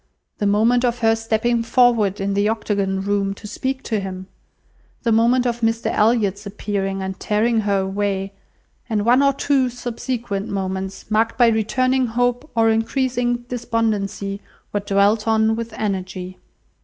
The moment of her stepping forward in the Octagon Room to speak to him: the moment of Mr Elliot's appearing and tearing her away, and one or two subsequent moments, marked by returning hope or increasing despondency, were dwelt on with energy.